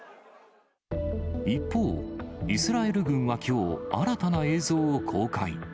一方、イスラエル軍はきょう、新たな映像を公開。